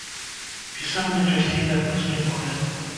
Пісаў найчасцей на польскай мове.